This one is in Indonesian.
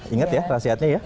ingat ya rahasianya ya